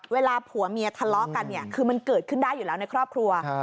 เวลาผัวเมียทะเลาะกันเนี่ยคือมันเกิดขึ้นได้อยู่แล้วในครอบครัว